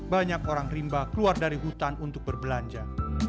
banyak orang rimba keluar dari hutan untuk berbelanja